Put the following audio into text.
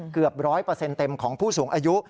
เกือบ๑๐๐เต็มของผู้สูงอายุ